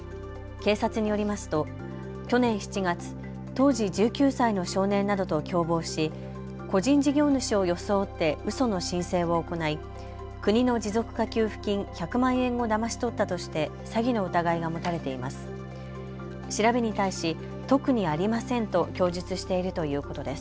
警察によりますと去年７月、当時１９歳の少年などと共謀し個人事業主を装ってうその申請を行い国の持続化給付金１００万円をだまし取ったとして詐欺の疑いが持たれています。